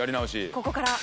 ここから。